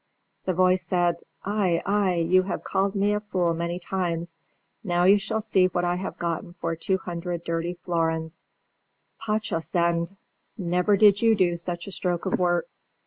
The voice said, "Ay, ay, you have called me a fool many times. Now you shall see what I have gotten for two hundred dirty florins. Potztausend! never did you do such a stroke of work."